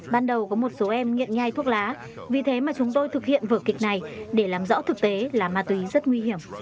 ban đầu có một số em nghiện nhai thuốc lá vì thế mà chúng tôi thực hiện vở kịch này để làm rõ thực tế là ma túy rất nguy hiểm